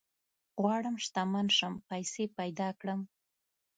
غواړم شتمن شم ، پيسي پيدا کړم